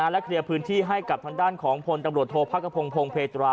และเคลียร์พื้นที่ให้กับทางด้านของพลตำรวจโทษพระกระพงพงเพตรา